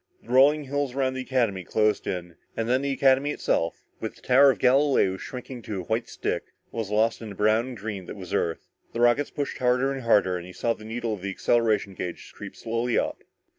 The rolling hills around the Academy closed in, and then the Academy itself, with the Tower of Galileo shrinking to a white stick, was lost in the brown and green that was Earth. The rockets pushed harder and harder and he saw the needle of the acceleration gauge creep slowly up.